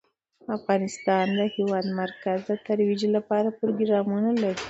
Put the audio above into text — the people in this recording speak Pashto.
افغانستان د د هېواد مرکز د ترویج لپاره پروګرامونه لري.